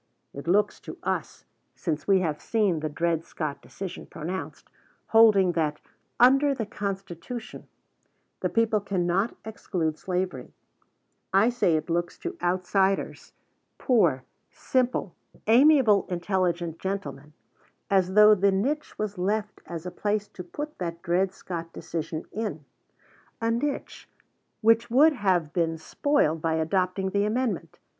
It looks to us, since we have seen the Dred Scott decision pronounced, holding that "under the Constitution" the people cannot exclude slavery I say it looks to outsiders, poor, simple, "amiable, intelligent gentlemen," as though the niche was left as a place to put that Dred Scott decision in, a niche which would have been spoiled by adopting the amendment.